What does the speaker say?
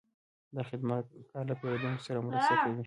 دا خدمتګر له پیرودونکو سره مرسته کوي.